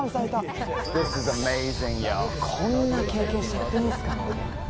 こんな経験しちゃっていいんですか？